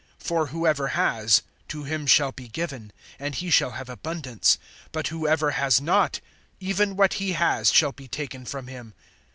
(12)For whoever has, to him shall be given, and he shall have abundance; but whoever has not, even what he has shall be taken from him.